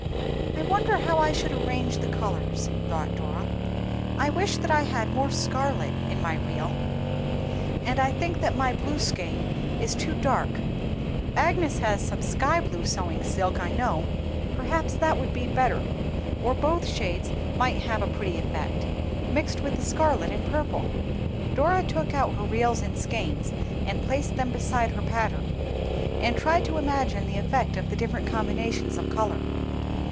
"I wonder how I should arrange the colors," thought Dora; "I wish that I had more scarlet in my reel, and I think that my blue skein is too dark; Agnes has some sky blue sewing silk, I know. Perhaps that would be better, or both shades might have a pretty effect, mixed with the scarlet and purple." Dora took out her reels and skeins, and placed them beside her pattern, and tried to imagine the effect of the different combination of color.